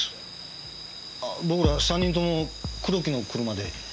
僕ら３人とも黒木の車で。